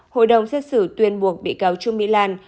hội đồng xét xử tuyên buộc bị cáo trương mỹ lan